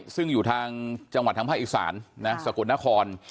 ซึ่งอยู่ทางจังหวัดทางภาคอีสานสกลนคร